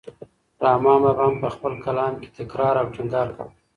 رحمان بابا هم په خپل کلام کې تکرار او ټینګار کاوه.